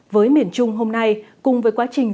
với miền trung hôm nay cùng với quá trình diễn ra